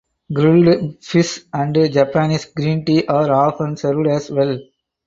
Grilled fish and Japanese green tea are often served as well.